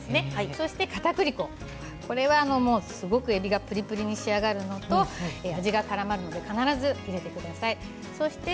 そしてかたくり粉えびがプリプリに仕上がるのと味がからまるので必ず入れてください。